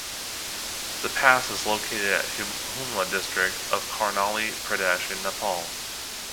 The pass is located at Humla District of Karnali Pradesh in Nepal.